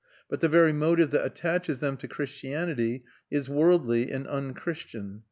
But the very motive that attaches them to Christianity is worldly and un Christian.